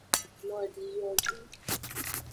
Nodiyovi.